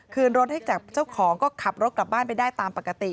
รถให้กับเจ้าของก็ขับรถกลับบ้านไปได้ตามปกติ